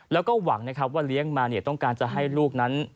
แล้วก็หวังนะครับว่าเลี้ยงมาเนี่ยต้องการจะให้ลูกนั้น